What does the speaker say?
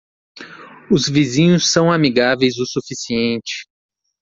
Os vizinhos são amigáveis o suficiente.